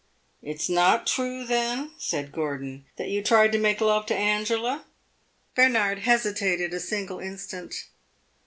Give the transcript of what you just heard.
"It 's not true, then," said Gordon, "that you tried to make love to Angela?" Bernard hesitated a single instant.